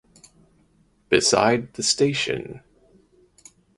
Beside the station.